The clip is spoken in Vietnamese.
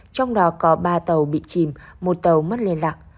trong đó có ba tàu bị chìm một tàu mất liên lạc